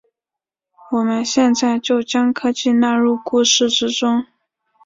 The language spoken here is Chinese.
我们现在就将科技纳入故事之中。